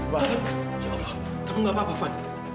kamu nggak apa apa taufan